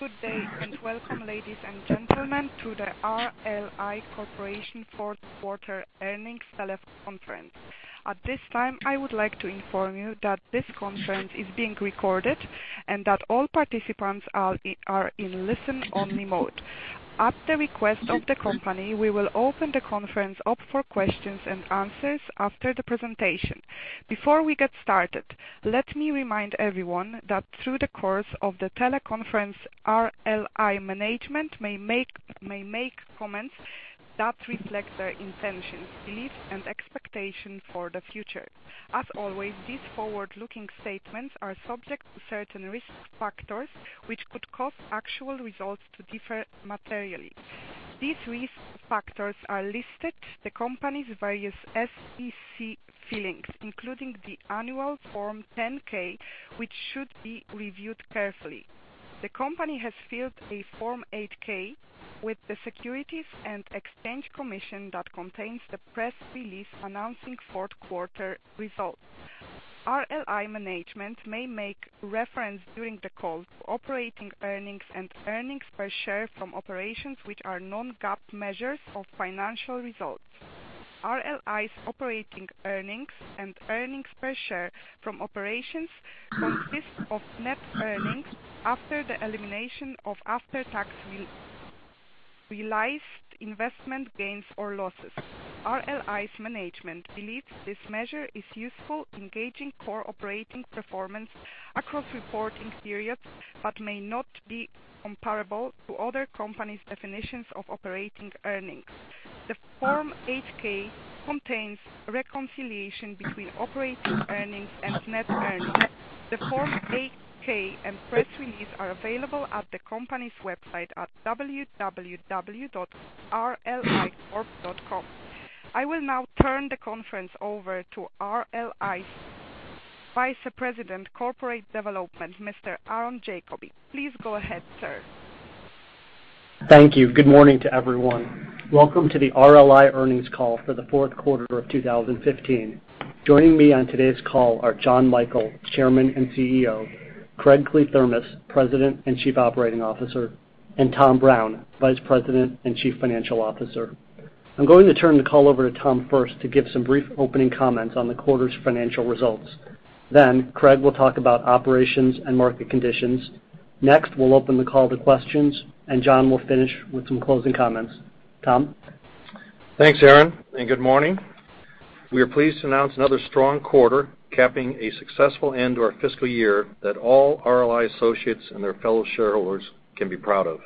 Good day, and welcome, ladies and gentlemen, to the RLI Corp. fourth quarter earnings teleconference. At this time, I would like to inform you that this conference is being recorded and that all participants are in listen-only mode. At the request of the company, we will open the conference up for questions and answers after the presentation. Before we get started, let me remind everyone that through the course of the teleconference, RLI management may make comments that reflect their intentions, beliefs, and expectations for the future. As always, these forward-looking statements are subject to certain risk factors, which could cause actual results to differ materially. These risk factors are listed in the company's various SEC filings, including the annual Form 10-K, which should be reviewed carefully. The company has filed a Form 8-K with the Securities and Exchange Commission that contains the press release announcing fourth quarter results. RLI management may make reference during the call to operating earnings and earnings per share from operations, which are non-GAAP measures of financial results. RLI's operating earnings and earnings per share from operations consist of net earnings after the elimination of after-tax realized investment gains or losses. RLI's management believes this measure is useful in gauging core operating performance across reporting periods but may not be comparable to other companies' definitions of operating earnings. The Form 8-K contains reconciliation between operating earnings and net earnings. The Form 8-K and press release are available at the company's website at www.rlicorp.com. I will now turn the conference over to RLI's Vice President of Corporate Development, Mr. Aaron Diefenthaler. Please go ahead, sir. Thank you. Good morning to everyone. Welcome to the RLI earnings call for the fourth quarter of 2015. Joining me on today's call are John Michael, Chairman and CEO, Craig Kliethermes, President and Chief Operating Officer, and Tom Brown, Vice President and Chief Financial Officer. I'm going to turn the call over to Tom first to give some brief opening comments on the quarter's financial results. Craig will talk about operations and market conditions. Next, we'll open the call to questions. John will finish with some closing comments. Tom? Thanks, Aaron. Good morning. We are pleased to announce another strong quarter, capping a successful end to our fiscal year that all RLI associates and their fellow shareholders can be proud of.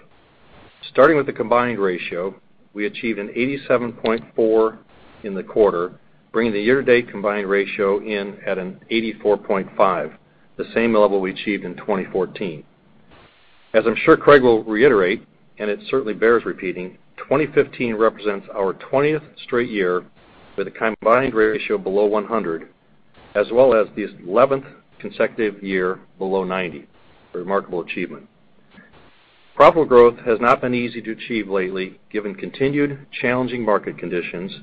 Starting with the combined ratio, we achieved an 87.4 in the quarter, bringing the year-to-date combined ratio in at an 84.5, the same level we achieved in 2014. As I'm sure Craig will reiterate, and it certainly bears repeating, 2015 represents our 20th straight year with a combined ratio below 100, as well as the 11th consecutive year below 90. A remarkable achievement. Profitable growth has not been easy to achieve lately, given continued challenging market conditions.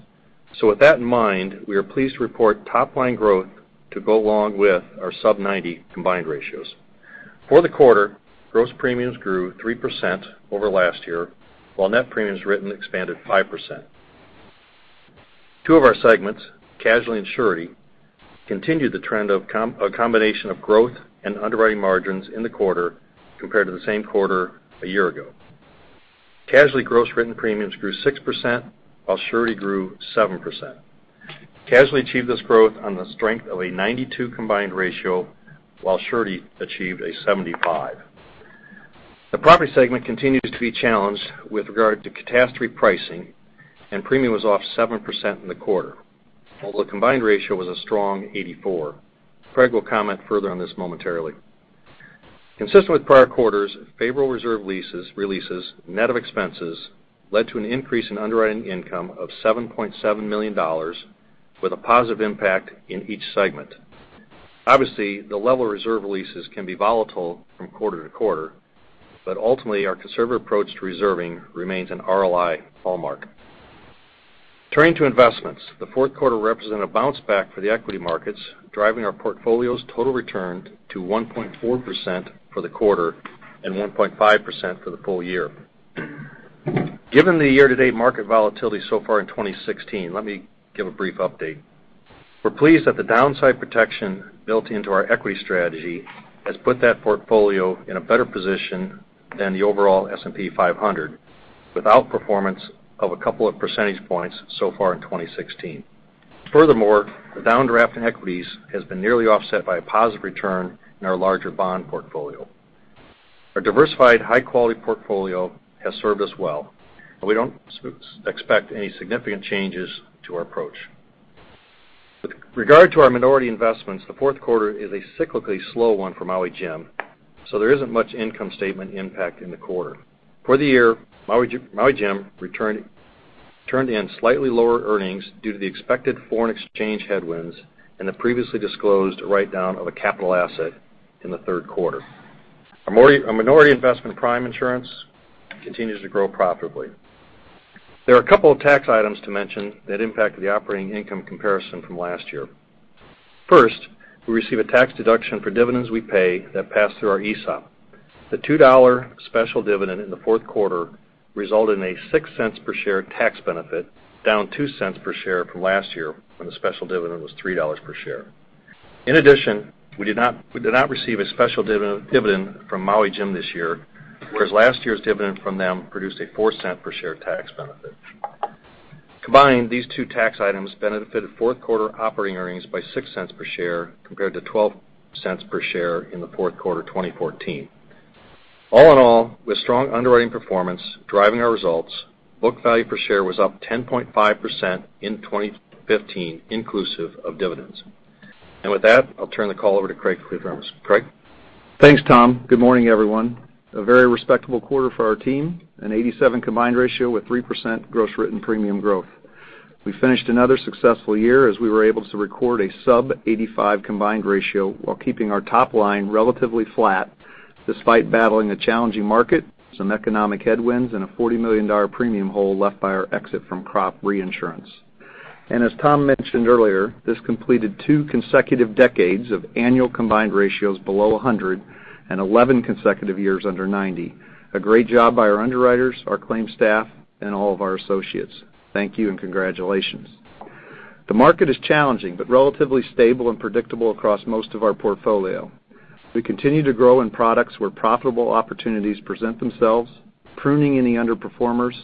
With that in mind, we are pleased to report top-line growth to go along with our sub-90 combined ratios. For the quarter, gross premiums grew 3% over last year, while net premiums written expanded 5%. Two of our segments, casualty and surety, continued the trend of a combination of growth and underwriting margins in the quarter compared to the same quarter a year ago. Casualty gross written premiums grew 6%, while surety grew 7%. Casualty achieved this growth on the strength of a 92 combined ratio, while surety achieved a 75. The property segment continues to be challenged with regard to catastrophe pricing, and premium was off 7% in the quarter, although the combined ratio was a strong 84. Craig will comment further on this momentarily. Consistent with prior quarters, favorable reserve releases, net of expenses, led to an increase in underwriting income of $7.7 million, with a positive impact in each segment. Obviously, the level of reserve releases can be volatile from quarter to quarter, but ultimately, our conservative approach to reserving remains an RLI hallmark. Turning to investments, the fourth quarter represented a bounce-back for the equity markets, driving our portfolio's total return to 1.4% for the quarter and 1.5% for the full year. Given the year-to-date market volatility so far in 2016, let me give a brief update. We're pleased that the downside protection built into our equity strategy has put that portfolio in a better position than the overall S&P 500, with outperformance of a couple of percentage points so far in 2016. Furthermore, the downdraft in equities has been nearly offset by a positive return in our larger bond portfolio. Our diversified, high-quality portfolio has served us well, and we don't expect any significant changes to our approach. With regard to our minority investments, the fourth quarter is a cyclically slow one for Maui Jim, so there isn't much income statement impact in the quarter. For the year, Maui Jim turned in slightly lower earnings due to the expected foreign exchange headwinds and the previously disclosed write-down of a capital asset in the third quarter. Our minority investment in Prime Insurance continues to grow profitably. There are a couple of tax items to mention that impacted the operating income comparison from last year. First, we receive a tax deduction for dividends we pay that pass through our ESOP. The $2 special dividend in the fourth quarter resulted in a $0.06 per share tax benefit, down $0.02 per share from last year when the special dividend was $3 per share. In addition, we did not receive a special dividend from Maui Jim this year, whereas last year's dividend from them produced a $0.04 per share tax benefit. Combined, these two tax items benefited fourth quarter operating earnings by $0.06 per share, compared to $0.12 per share in the fourth quarter 2014. All in all, with strong underwriting performance driving our results, book value per share was up 10.5% in 2015, inclusive of dividends. With that, I'll turn the call over to Craig for the rest. Craig? Thanks, Tom. Good morning, everyone. A very respectable quarter for our team, an 87 combined ratio with 3% gross written premium growth. We finished another successful year as we were able to record a sub 85 combined ratio while keeping our top line relatively flat despite battling a challenging market, some economic headwinds, and a $40 million premium hole left by our exit from crop reinsurance. As Tom mentioned earlier, this completed two consecutive decades of annual combined ratios below 100 and 11 consecutive years under 90. A great job by our underwriters, our claims staff, and all of our associates. Thank you and congratulations. The market is challenging, relatively stable and predictable across most of our portfolio. We continue to grow in products where profitable opportunities present themselves, pruning any underperformers,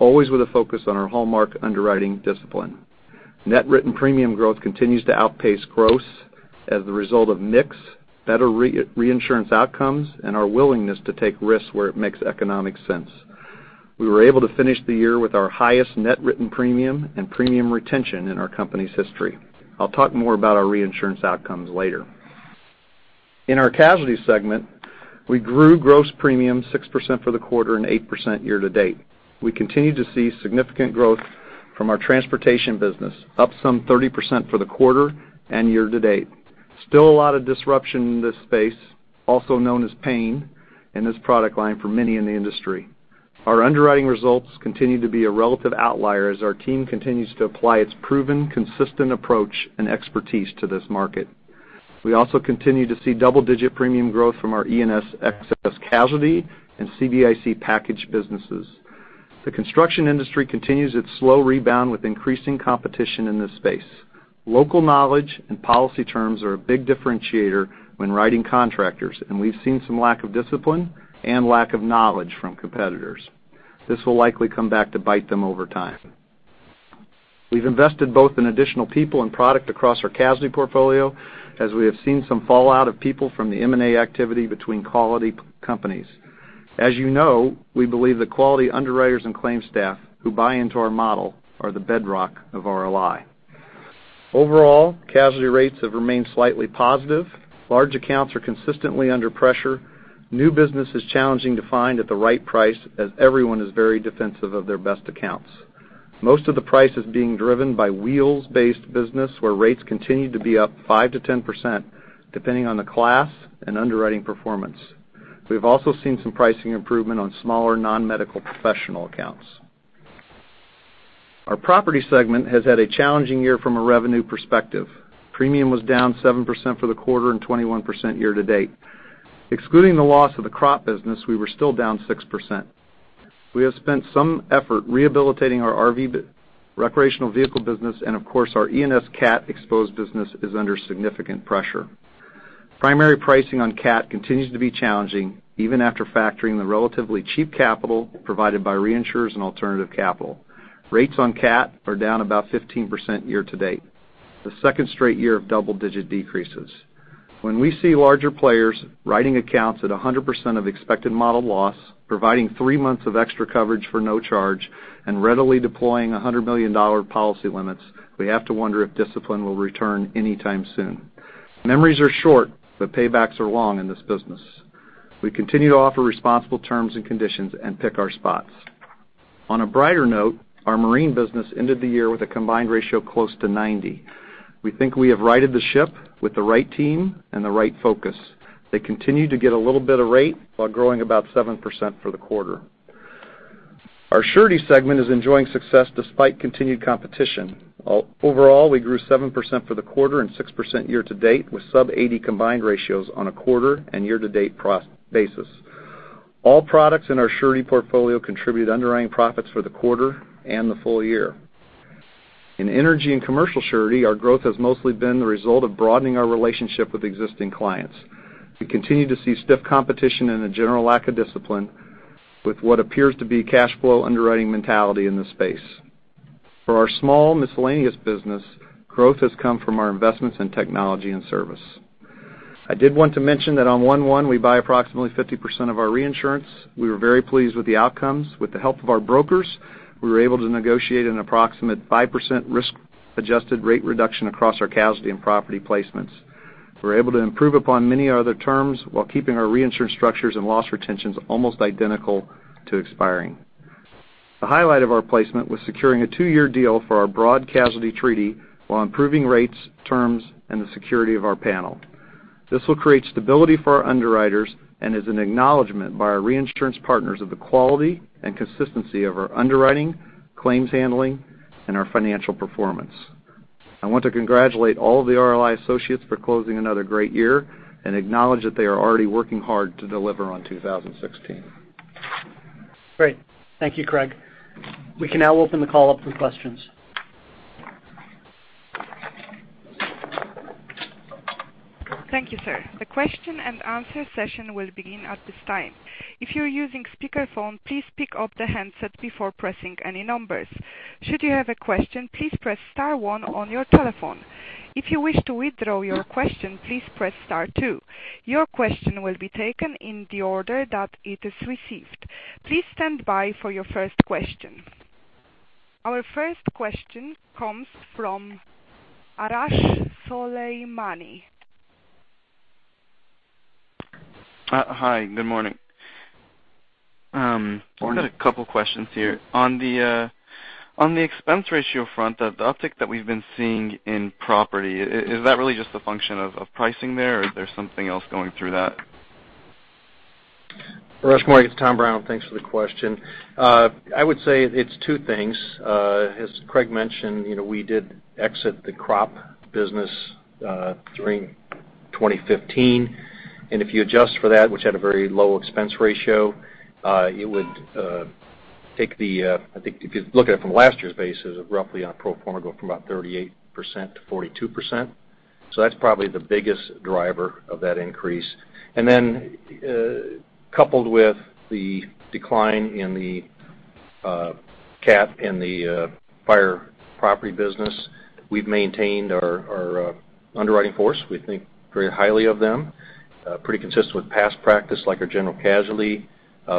always with a focus on our hallmark underwriting discipline. Net written premium growth continues to outpace gross as a result of mix, better reinsurance outcomes, and our willingness to take risks where it makes economic sense. We were able to finish the year with our highest net written premium and premium retention in our company's history. I'll talk more about our reinsurance outcomes later. In our casualty segment, we grew gross premium 6% for the quarter and 8% year-to-date. We continue to see significant growth from our transportation business, up some 30% for the quarter and year-to-date. Still a lot of disruption in this space, also known as pain, in this product line for many in the industry. Our underwriting results continue to be a relative outlier as our team continues to apply its proven, consistent approach and expertise to this market. We also continue to see double-digit premium growth from our E&S excess casualty and CBIC package businesses. The construction industry continues its slow rebound with increasing competition in this space. Local knowledge and policy terms are a big differentiator when writing contractors, we've seen some lack of discipline and lack of knowledge from competitors. This will likely come back to bite them over time. We've invested both in additional people and product across our casualty portfolio, as we have seen some fallout of people from the M&A activity between quality companies. As you know, we believe that quality underwriters and claims staff who buy into our model are the bedrock of RLI. Overall, casualty rates have remained slightly positive. Large accounts are consistently under pressure. New business is challenging to find at the right price, as everyone is very defensive of their best accounts. Most of the price is being driven by wheels-based business where rates continue to be up 5%-10%, depending on the class and underwriting performance. We've also seen some pricing improvement on smaller non-medical professional accounts. Our property segment has had a challenging year from a revenue perspective. Premium was down 7% for the quarter and 21% year-to-date. Excluding the loss of the crop business, we were still down 6%. We have spent some effort rehabilitating our RV, recreational vehicle business, and of course, our E&S cat exposed business is under significant pressure. Primary pricing on cat continues to be challenging, even after factoring the relatively cheap capital provided by reinsurers and alternative capital. Rates on cat are down about 15% year-to-date, the second straight year of double-digit decreases. When we see larger players writing accounts at 100% of expected model loss, providing three months of extra coverage for no charge, and readily deploying $100 million policy limits, we have to wonder if discipline will return anytime soon. Memories are short, but paybacks are long in this business. We continue to offer responsible terms and conditions and pick our spots. On a brighter note, our marine business ended the year with a combined ratio close to 90. We think we have righted the ship with the right team and the right focus. They continue to get a little bit of rate while growing about 7% for the quarter. Our surety segment is enjoying success despite continued competition. Overall, we grew 7% for the quarter and 6% year-to-date, with sub 80 combined ratios on a quarter and year-to-date basis. All products in our surety portfolio contribute underwriting profits for the quarter and the full year. In energy and commercial surety, our growth has mostly been the result of broadening our relationship with existing clients. We continue to see stiff competition and a general lack of discipline with what appears to be cash flow underwriting mentality in this space. For our small miscellaneous business, growth has come from our investments in technology and service. I did want to mention that on 1/1, we buy approximately 50% of our reinsurance. We were very pleased with the outcomes. With the help of our brokers, we were able to negotiate an approximate 5% risk-adjusted rate reduction across our casualty and property placements. We're able to improve upon many other terms while keeping our reinsurance structures and loss retentions almost identical to expiring. The highlight of our placement was securing a two-year deal for our broad casualty treaty while improving rates, terms, and the security of our panel. This will create stability for our underwriters and is an acknowledgement by our reinsurance partners of the quality and consistency of our underwriting, claims handling, and our financial performance. I want to congratulate all of the RLI associates for closing another great year and acknowledge that they are already working hard to deliver on 2016. Great. Thank you, Craig. We can now open the call up for questions. Thank you, sir. The question and answer session will begin at this time. If you're using speakerphone, please pick up the handset before pressing any numbers. Should you have a question, please press star one on your telephone. If you wish to withdraw your question, please press star two. Your question will be taken in the order that it is received. Please stand by for your first question. Our first question comes from Arash Soleimani. Hi, good morning. Morning. I've got a couple questions here. On the expense ratio front, the uptick that we've been seeing in property, is that really just a function of pricing there, or is there something else going through that? Arash, morning. It's Tom Brown, thanks for the question. I would say it's two things. As Craig mentioned, we did exit the crop business during 2015, and if you adjust for that, which had a very low expense ratio, it would take the, I think, if you look at it from last year's basis, roughly on a pro forma, go from about 38% to 42%. That's probably the biggest driver of that increase. Coupled with the decline in the cat and the fire property business, we've maintained our underwriting force. We think very highly of them. Pretty consistent with past practice, like our general casualty,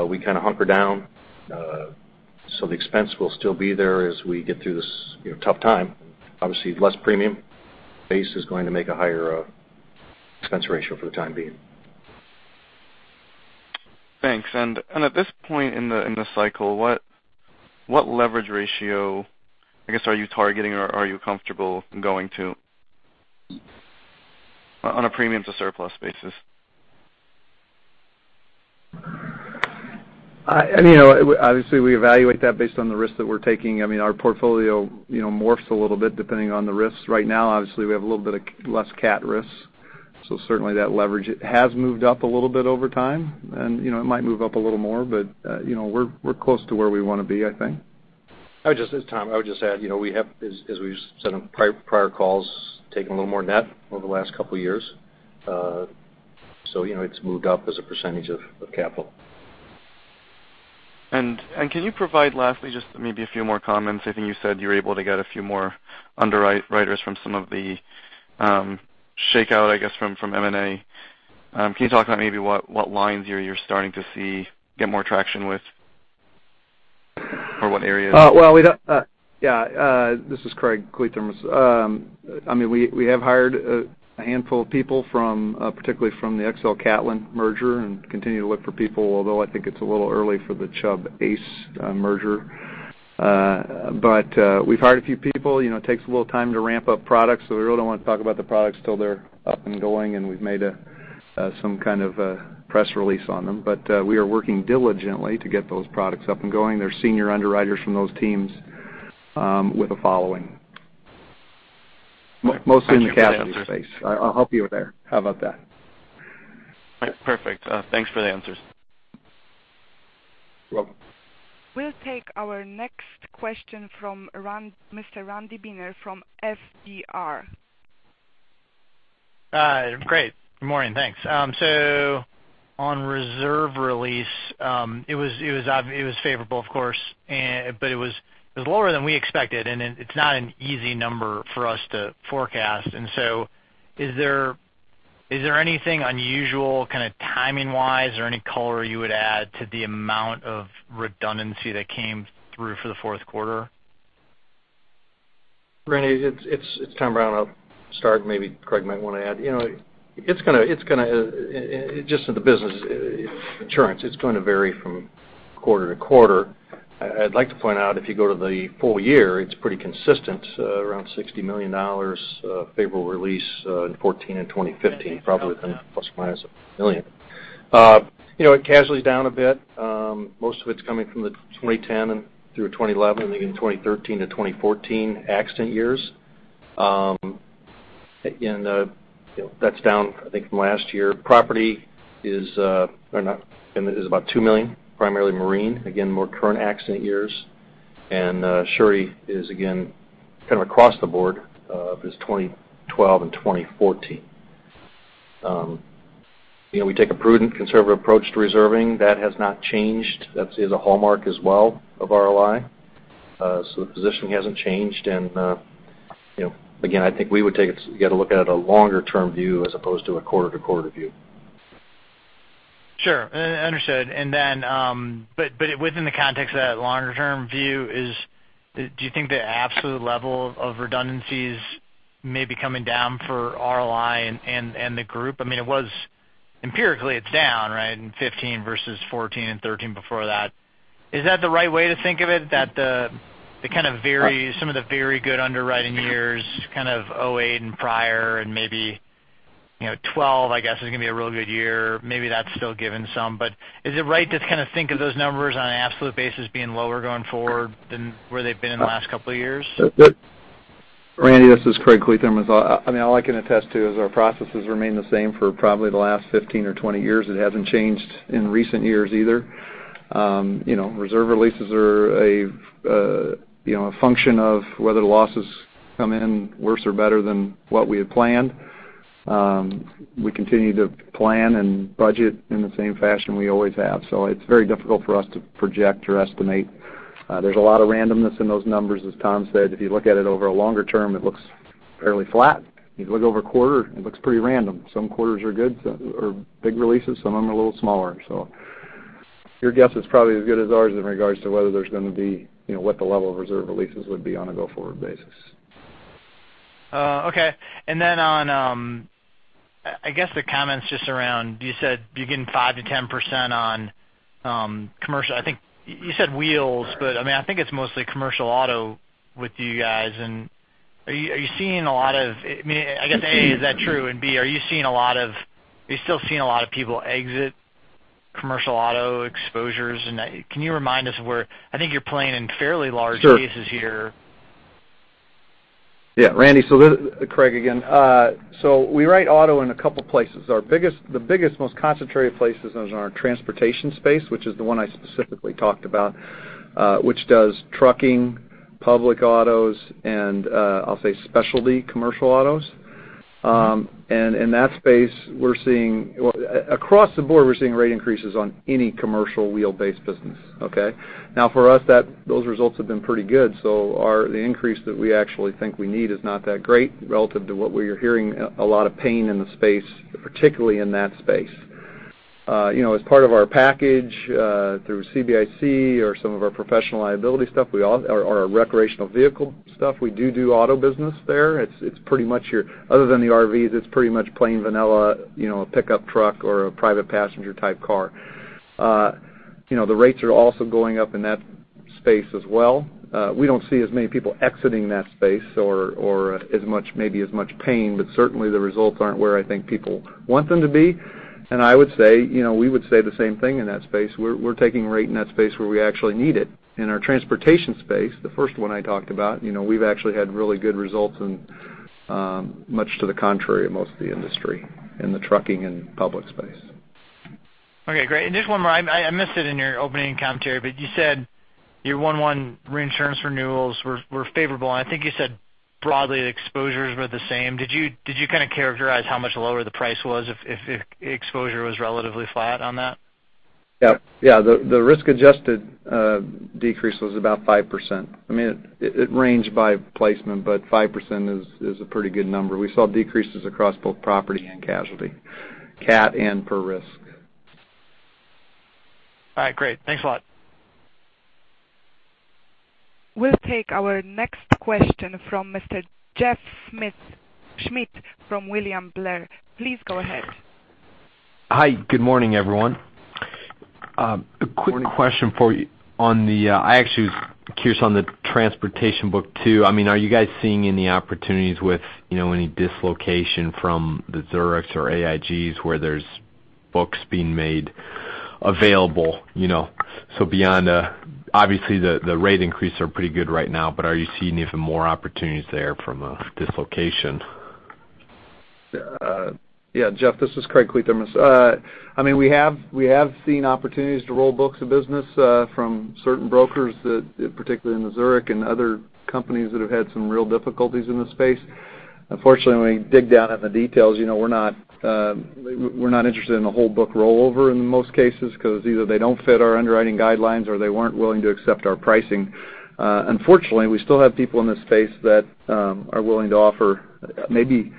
we kind of hunker down, the expense will still be there as we get through this tough time. Obviously, less premium base is going to make a higher expense ratio for the time being. Thanks. At this point in the cycle, what leverage ratio, I guess, are you targeting or are you comfortable going to on a premium to surplus basis? Obviously, we evaluate that based on the risk that we're taking. Our portfolio morphs a little bit depending on the risks. Right now, obviously, we have a little bit of less cat risk. Certainly that leverage has moved up a little bit over time, and it might move up a little more, but we're close to where we want to be, I think. This is Tom. I would just add, as we've said on prior calls, taken a little more net over the last couple of years. It's moved up as a percentage of capital. Can you provide lastly just maybe a few more comments? I think you said you were able to get a few more underwriters from some of the shakeout, I guess, from M&A. Can you talk about maybe what lines you're starting to see get more traction with or what areas? Yeah. This is Craig Kliethermes. We have hired a handful of people, particularly from the XL Catlin merger, and continue to look for people, although I think it's a little early for the Chubb ACE merger. We've hired a few people. It takes a little time to ramp up products, so we really don't want to talk about the products till they're up and going and we've made some kind of a press release on them. We are working diligently to get those products up and going. They're senior underwriters from those teams with a following, mostly in the casualty space. I'll help you there. How about that? Perfect. Thanks for the answers. You're welcome. We'll take our next question from Mr. Randy Binner from FBR. Great. Good morning. Thanks. On reserve release, it was favorable of course, but it was lower than we expected, and it's not an easy number for us to forecast. Is there anything unusual kind of timing-wise or any color you would add to the amount of redundancy that came through for the fourth quarter? Randy, it's Tom Brown. I'll start, maybe Craig might want to add. In the business insurance, it's going to vary from quarter to quarter. I'd like to point out, if you go to the full year, it's pretty consistent, around $60 million favorable release in 2014 and 2015, probably within plus or minus $1 million. Casualty's down a bit. Most of it's coming from the 2010 and through 2011, and even 2013 to 2014 accident years. That's down, I think, from last year. Property is about $2 million, primarily marine. Again, more current accident years. Surety is, again, kind of across the board, is 2012 and 2014. We take a prudent, conservative approach to reserving. That has not changed. That is a hallmark as well of RLI. The positioning hasn't changed. Again, I think we would take it, you've got to look at it a longer-term view as opposed to a quarter-to-quarter view. Sure. Understood. Within the context of that longer-term view, do you think the absolute level of redundancies may be coming down for RLI and the group? Empirically, it's down in 2015 versus 2014 and 2013 before that. Is that the right way to think of it? That some of the very good underwriting years, 2008 and prior, and maybe 2012, I guess, is going to be a real good year. Maybe that's still given some. Is it right to think of those numbers on an absolute basis being lower going forward than where they've been in the last couple of years? Randy, this is Craig Kliethermes. All I can attest to is our processes remain the same for probably the last 15 or 20 years. It hasn't changed in recent years either. Reserve releases are a function of whether the losses come in worse or better than what we had planned. We continue to plan and budget in the same fashion we always have. It's very difficult for us to project or estimate. There's a lot of randomness in those numbers, as Tom said. If you look at it over a longer-term, it looks fairly flat. If you look over a quarter, it looks pretty random. Some quarters are good or big releases, some of them are a little smaller. Your guess is probably as good as ours in regards to what the level of reserve releases would be on a go-forward basis. Okay. I guess, the comments just around, you said you're getting 5%-10% on commercial. I think you said wheels, but I think it's mostly commercial auto with you guys. Are you seeing a lot of, I guess, A, is that true, and B, are you still seeing a lot of people exit commercial auto exposures? Can you remind us of where I think you're playing in fairly large cases here? Sure. Yeah, Randy. Craig again. We write auto in a couple places. The biggest, most concentrated place is in our transportation space, which is the one I specifically talked about, which does trucking, public autos, and I'll say specialty commercial autos. In that space, across the board, we're seeing rate increases on any commercial wheel-based business, okay? Now, for us, those results have been pretty good. The increase that we actually think we need is not that great relative to what we are hearing a lot of pain in the space, particularly in that space. As part of our package through CBIC or some of our professional liability stuff or our recreational vehicle stuff, we do auto business there. Other than the RVs, it's pretty much plain vanilla, a pickup truck or a private passenger type car. The rates are also going up in that space as well. We don't see as many people exiting that space or maybe as much pain, but certainly the results aren't where I think people want them to be. I would say we would say the same thing in that space. We're taking rate in that space where we actually need it. In our transportation space, the first one I talked about, we've actually had really good results much to the contrary of most of the industry in the trucking and public space. Okay, great. Just one more. I missed it in your opening commentary, but you said your 1-1 reinsurance renewals were favorable, and I think you said broadly exposures were the same. Did you kind of characterize how much lower the price was if exposure was relatively flat on that? Yeah. The risk-adjusted decrease was about 5%. It ranged by placement, 5% is a pretty good number. We saw decreases across both property and casualty, CAT and per risk. All right, great. Thanks a lot. We'll take our next question from Mr. Jeff Schmitt from William Blair. Please go ahead. Hi. Good morning, everyone. Good morning. A quick question for you. I actually was curious on the transportation book, too. Are you guys seeing any opportunities with any dislocation from the Zurichs or AIGs where there's books being made available? Beyond, obviously, the rate increases are pretty good right now, but are you seeing even more opportunities there from a dislocation? Yeah. Jeff, this is Craig Kliethermes. We have seen opportunities to roll books of business from certain brokers, particularly in the Zurich and other companies that have had some real difficulties in the space. Unfortunately, when we dig down in the details, we're not interested in a whole book rollover in most cases because either they don't fit our underwriting guidelines or they weren't willing to accept our pricing. Unfortunately, we still have people in the space that are willing to offer maybe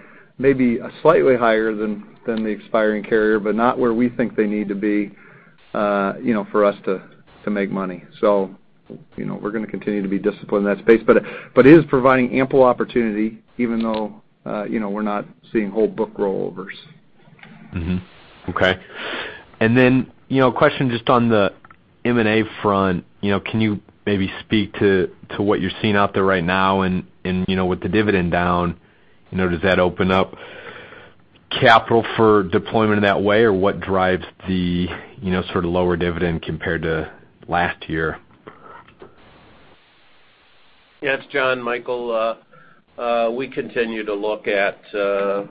slightly higher than the expiring carrier, but not where we think they need to be for us to make money. We're going to continue to be disciplined in that space. It is providing ample opportunity, even though we're not seeing whole book rollovers. Okay. A question just on the M&A front. Can you maybe speak to what you're seeing out there right now, and with the dividend down, does that open up capital for deployment in that way? What drives the sort of lower dividend compared to last year? Yeah. It's Jonathan Michael. We continue to look at M&A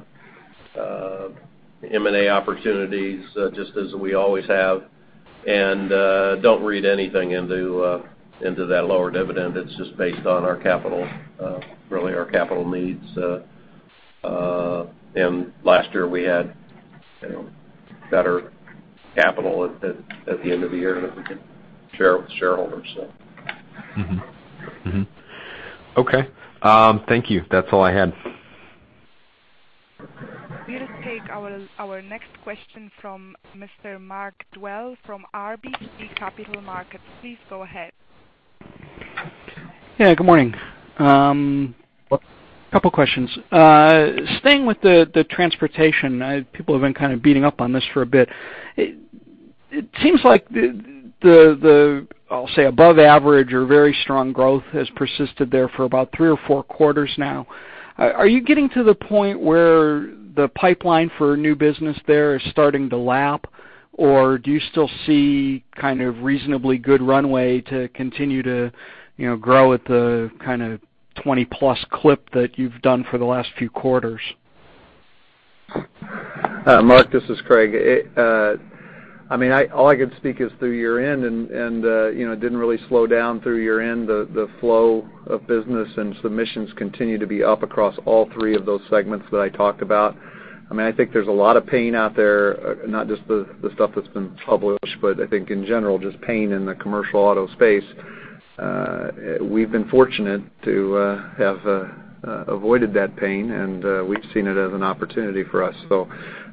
opportunities just as we always have. Don't read anything into that lower dividend. It's just based on our capital, really our capital needs. Last year, we had better capital at the end of the year that we could share with shareholders, so. Okay. Thank you. That's all I had. We'll take our next question from Mr. Mark Dwelle from RBC Capital Markets. Please go ahead. Yeah. Good morning. A couple of questions. Staying with the transportation, people have been kind of beating up on this for a bit. It seems like the, I'll say above average or very strong growth has persisted there for about three or four quarters now. Are you getting to the point where the pipeline for new business there is starting to lap, or do you still see kind of reasonably good runway to continue to grow at the kind of 20-plus clip that you've done for the last few quarters? Mark, this is Craig. All I can speak is through year-end, and it didn't really slow down through year-end. The flow of business and submissions continue to be up across all three of those segments that I talked about. I think there's a lot of pain out there, not just the stuff that's been published, but I think in general, just pain in the commercial auto space. We've been fortunate to have avoided that pain, and we've seen it as an opportunity for us.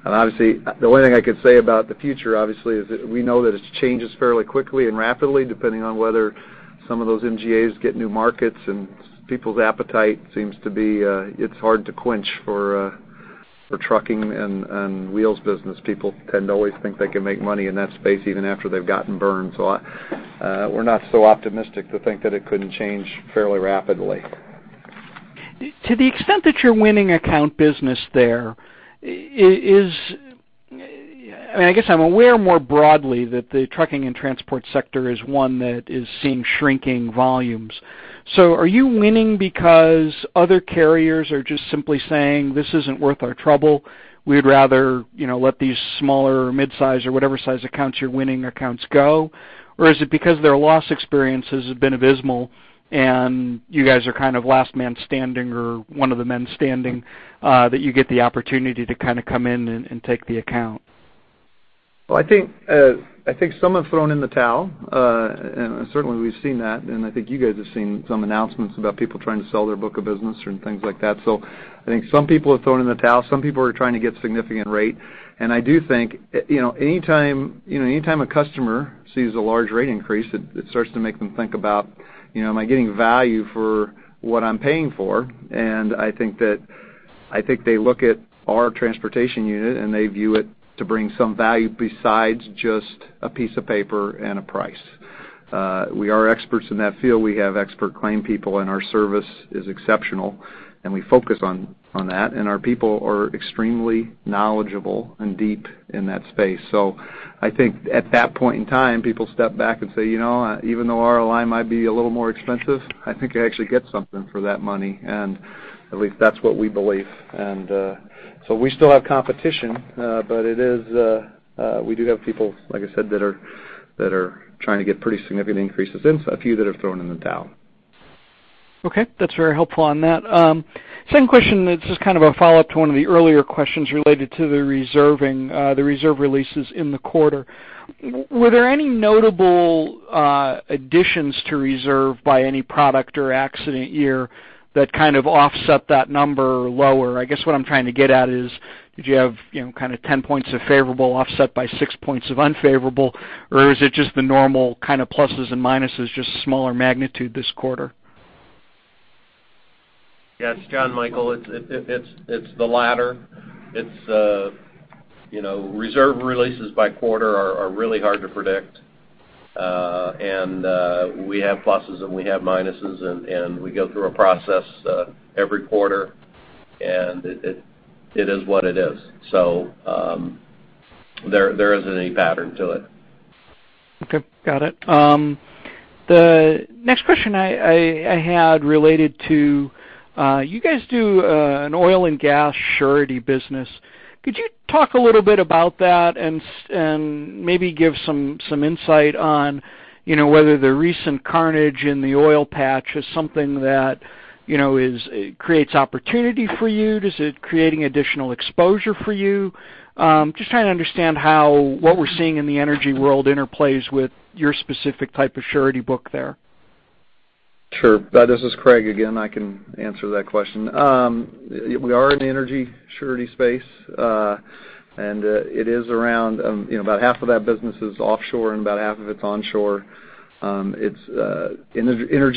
Obviously, the only thing I could say about the future, obviously, is that we know that it changes fairly quickly and rapidly, depending on whether some of those MGAs get new markets, and people's appetite seems to be, it's hard to quench for trucking and wheels business. People tend to always think they can make money in that space, even after they've gotten burned. We're not so optimistic to think that it couldn't change fairly rapidly. To the extent that you're winning account business there, I guess I'm aware more broadly that the trucking and transport sector is one that is seeing shrinking volumes. Are you winning because other carriers are just simply saying, "This isn't worth our trouble. We'd rather let these smaller, mid-size or whatever size accounts you're winning accounts go?" Or is it because their loss experiences have been abysmal, and you guys are kind of last man standing or one of the men standing, that you get the opportunity to kind of come in and take the account? Well, I think some have thrown in the towel, and certainly we've seen that, and I think you guys have seen some announcements about people trying to sell their book of business and things like that. I think some people have thrown in the towel. Some people are trying to get significant rate. I do think, anytime a customer sees a large rate increase, it starts to make them think about, am I getting value for what I'm paying for? I think they look at our transportation unit, and they view it to bring some value besides just a piece of paper and a price. We are experts in that field. We have expert claim people, and our service is exceptional, and we focus on that, and our people are extremely knowledgeable and deep in that space. I think at that point in time, people step back and say, "You know, even though RLI might be a little more expensive, I think I actually get something for that money." At least that's what we believe. We still have competition, but we do have people, like I said, that are trying to get pretty significant increases in, a few that have thrown in the towel. Okay, that's very helpful on that. Second question, it's just kind of a follow-up to one of the earlier questions related to the reserve releases in the quarter. Were there any notable additions to reserve by any product or accident year that kind of offset that number lower? I guess what I'm trying to get at is, did you have 10 points of favorable offset by six points of unfavorable, or is it just the normal kind of pluses and minuses, just smaller magnitude this quarter? Yes, John Michael, it's the latter. Reserve releases by quarter are really hard to predict. We have pluses and we have minuses, we go through a process every quarter, it is what it is. There isn't any pattern to it. Okay, got it. The next question I had related to, you guys do an oil and gas surety business. Could you talk a little bit about that and maybe give some insight on whether the recent carnage in the oil patch is something that creates opportunity for you? Is it creating additional exposure for you? Just trying to understand how what we're seeing in the energy world interplays with your specific type of surety book there. Sure. This is Craig again. I can answer that question. We are in the energy surety space, it is around half of that business is offshore and about half of it's onshore. Energy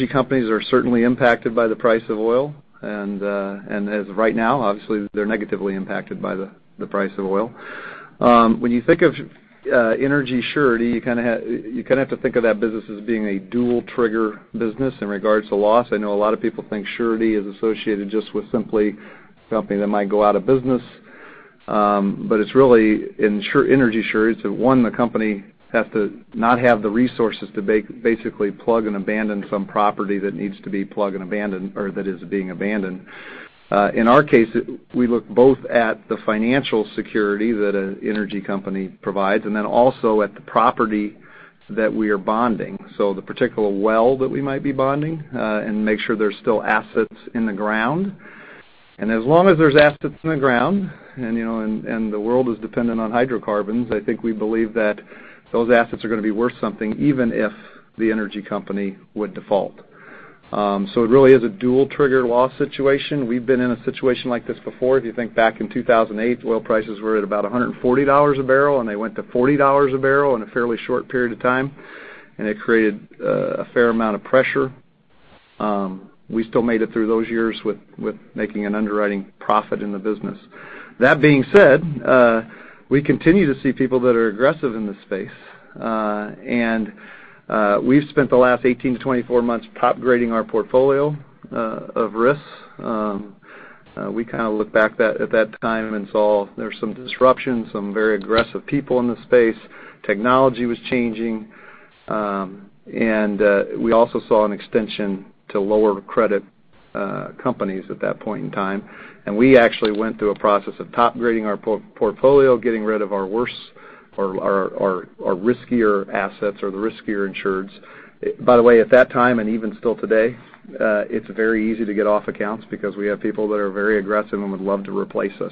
companies are certainly impacted by the price of oil. As right now, obviously, they're negatively impacted by the price of oil. When you think of energy surety, you kind of have to think of that business as being a dual trigger business in regards to loss. I know a lot of people think surety is associated just with simply something that might go out of business. It's really, in energy surety, it's one, the company has to not have the resources to basically plug and abandon some property that needs to be plug and abandoned or that is being abandoned. In our case, we look both at the financial security that an energy company provides and then also at the property that we are bonding, so the particular well that we might be bonding, and make sure there's still assets in the ground. As long as there's assets in the ground and the world is dependent on hydrocarbons, I think we believe that those assets are going to be worth something, even if the energy company would default. It really is a dual trigger loss situation. We've been in a situation like this before. If you think back in 2008, oil prices were at about $140 a barrel, and they went to $40 a barrel in a fairly short period of time, it created a fair amount of pressure. We still made it through those years with making an underwriting profit in the business. That being said, we continue to see people that are aggressive in this space. We've spent the last 18-24 months top-grading our portfolio of risks. We kind of look back at that time and saw there's some disruption, some very aggressive people in the space. Technology was changing, we also saw an extension to lower credit companies at that point in time. We actually went through a process of top-grading our portfolio, getting rid of our worse or riskier assets or the riskier insureds. By the way, at that time, and even still today, it's very easy to get off accounts because we have people that are very aggressive and would love to replace us.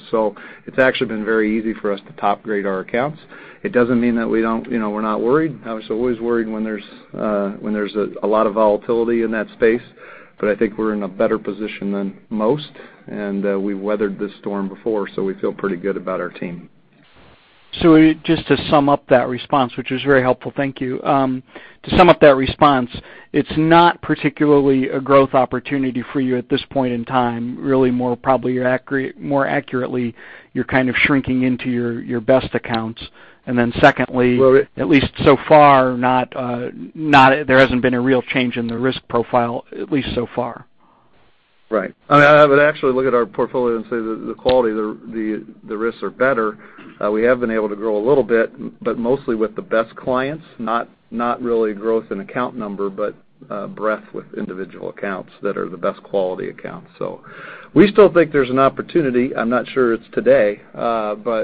It's actually been very easy for us to top-grade our accounts. It doesn't mean that we're not worried. Obviously, always worried when there's a lot of volatility in that space. I think we're in a better position than most, and we weathered this storm before, we feel pretty good about our team. Just to sum up that response, which was very helpful, thank you. To sum up that response, it's not particularly a growth opportunity for you at this point in time, really more probably more accurately, you're kind of shrinking into your best accounts. Well. At least so far, there hasn't been a real change in the risk profile, at least so far. Right. I would actually look at our portfolio and say that the quality of the risks are better. We have been able to grow a little bit, but mostly with the best clients, not really growth in account number, but breadth with individual accounts that are the best quality accounts. We still think there's an opportunity. I'm not sure it's today.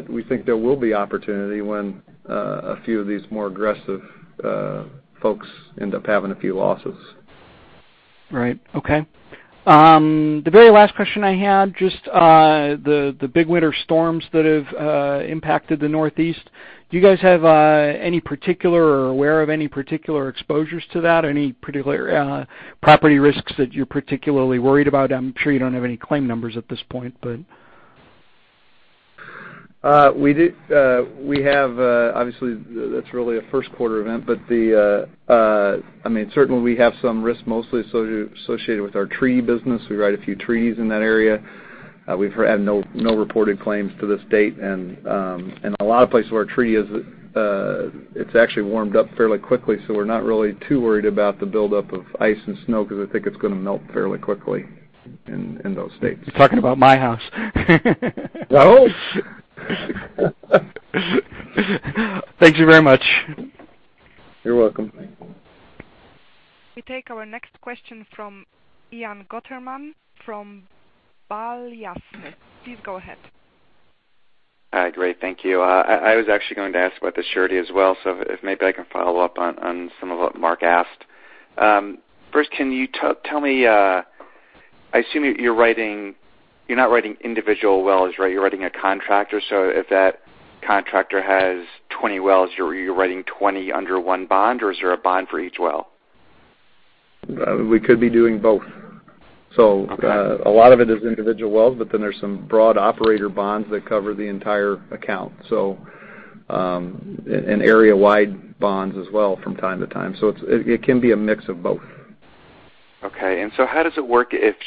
We think there will be opportunity when a few of these more aggressive folks end up having a few losses. Right. Okay. The very last question I had, just the big winter storms that have impacted the Northeast, do you guys have any particular or aware of any particular exposures to that, or any particular property risks that you're particularly worried about? I'm sure you don't have any claim numbers at this point, but. Obviously, that's really a first quarter event, but certainly we have some risks mostly associated with our treaty business. We write a few treaties in that area. We've had no reported claims to this date. In a lot of places where our treaty is, it's actually warmed up fairly quickly, so we're not really too worried about the buildup of ice and snow because I think it's going to melt fairly quickly in those states. You're talking about my house. Oh. Thank you very much. You're welcome. We take our next question from Ian Gutterman from Balyasny. Please go ahead. Hi. Great. Thank you. I was actually going to ask about the surety as well. If maybe I can follow up on some of what Mark asked. First, can you tell me, I assume you're not writing individual wells, right? You're writing a contractor. If that contractor has 20 wells, you're writing 20 under one bond, or is there a bond for each well? We could be doing both. Okay. A lot of it is individual wells. There's some broad operator bonds that cover the entire account. Area-wide bonds as well from time to time. It can be a mix of both. Okay. How does it work if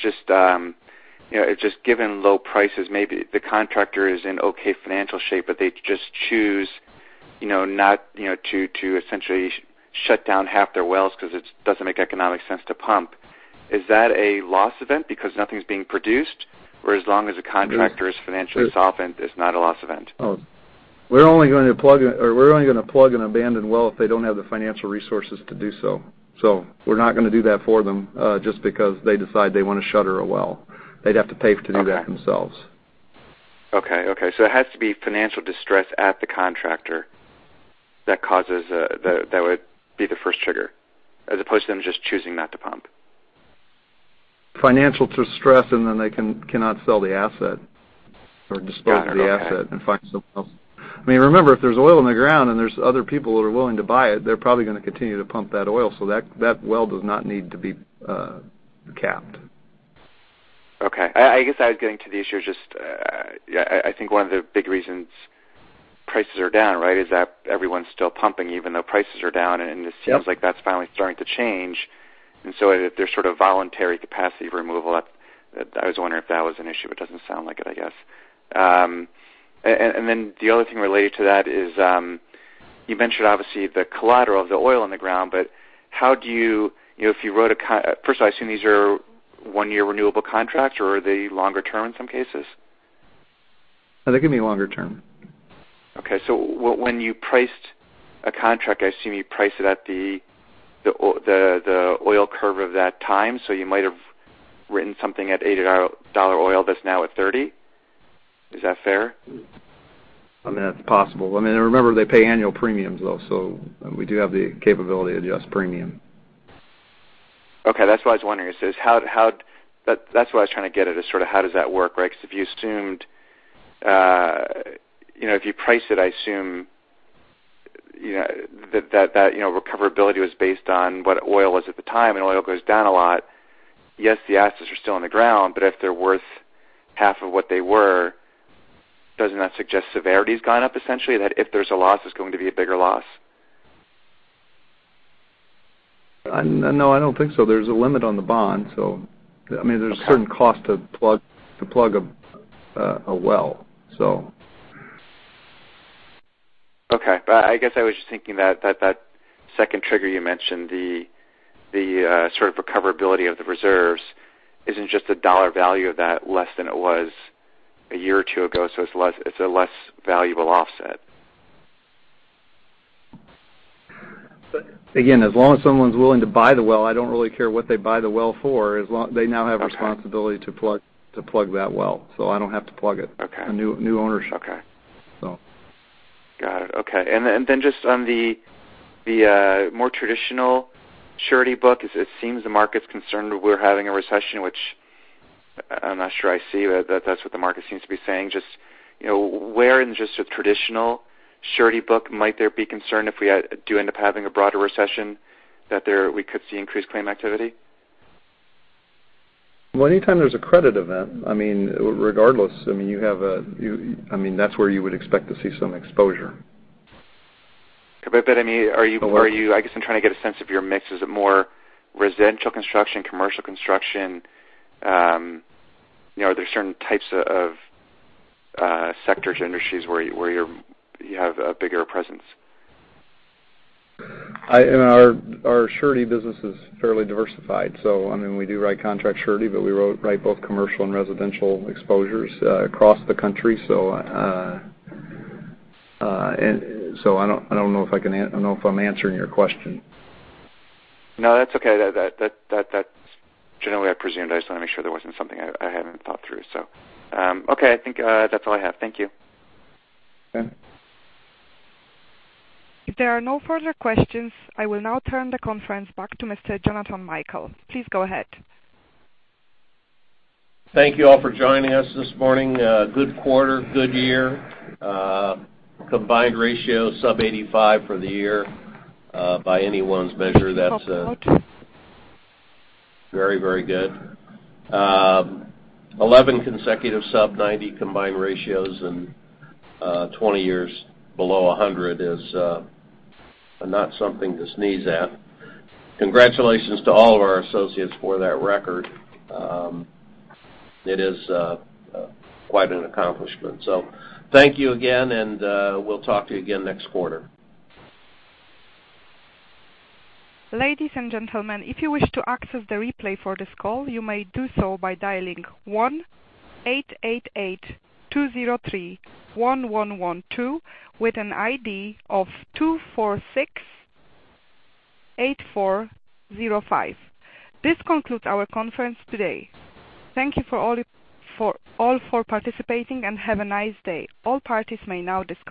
just given low prices, maybe the contractor is in okay financial shape, they just choose not to essentially shut down half their wells because it doesn't make economic sense to pump. Is that a loss event because nothing's being produced? Or as long as the contractor- It's- Is financially solvent, it's not a loss event? We're only going to plug and abandon well if they don't have the financial resources to do so. We're not going to do that for them just because they decide they want to shutter a well. They'd have to pay to do that themselves. Okay. It has to be financial distress at the contractor that would be the first trigger, as opposed to them just choosing not to pump. Financial distress, they cannot sell the asset or dispose of the asset. Got it. Okay. Find someone else. Remember, if there's oil in the ground and there's other people that are willing to buy it, they're probably going to continue to pump that oil, so that well does not need to be capped. Okay. I guess I was getting to the issue of just, I think one of the big reasons prices are down, right, is that everyone's still pumping even though prices are down. Yep like that's finally starting to change. So there's sort of voluntary capacity removal. I was wondering if that was an issue, but doesn't sound like it, I guess. Then the other thing related to that is, you mentioned obviously the collateral of the oil in the ground, but first, I assume these are one-year renewable contracts, or are they longer term in some cases? They can be longer term. Okay. When you priced a contract, I assume you priced it at the oil curve of that time. You might have written something at $80 oil that's now at $30. Is that fair? That's possible. Remember, they pay annual premiums, though, so we do have the capability to adjust premium. Okay. That's what I was wondering, that's what I was trying to get at, is sort of how does that work, right? Because if you priced it, I assume that recoverability was based on what oil was at the time, and oil goes down a lot. Yes, the assets are still in the ground, but if they're worth half of what they were. Doesn't that suggest severity's gone up, essentially? That if there's a loss, it's going to be a bigger loss? No, I don't think so. There's a limit on the bond. There's a certain cost to plug a well. Okay. I guess I was just thinking that second trigger you mentioned, the sort of recoverability of the reserves, isn't just the dollar value of that less than it was a year or two ago, so it's a less valuable offset. Again, as long as someone's willing to buy the well, I don't really care what they buy the well for, they now have responsibility to plug that well, so I don't have to plug it. Okay. New ownership. Okay. Got it. Okay. Then just on the more traditional surety book, it seems the market's concerned that we're having a recession, which I'm not sure I see, but that's what the market seems to be saying. Just where in just a traditional surety book might there be concern if we do end up having a broader recession, that we could see increased claim activity? Well, anytime there's a credit event, regardless, that's where you would expect to see some exposure. I guess I'm trying to get a sense of your mix. Is it more residential construction, commercial construction? Are there certain types of sectors or industries where you have a bigger presence? Our surety business is fairly diversified. We do write contract surety, but we write both commercial and residential exposures across the country. I don't know if I'm answering your question. No, that's okay. That's generally what I presumed. I just wanted to make sure there wasn't something I hadn't thought through. Okay, I think that's all I have. Thank you. Okay. If there are no further questions, I will now turn the conference back to Mr. Jonathan Michael. Please go ahead. Thank you all for joining us this morning. Good quarter, good year. Combined ratio sub 85 for the year. By anyone's measure, that's very, very good. 11 consecutive sub 90 combined ratios and 20 years below 100 is not something to sneeze at. Congratulations to all of our associates for that record. It is quite an accomplishment. Thank you again, and we'll talk to you again next quarter. Ladies and gentlemen, if you wish to access the replay for this call, you may do so by dialing 1-888-203-1112 with an ID of 2468405. This concludes our conference today. Thank you all for participating, and have a nice day. All parties may now disconnect.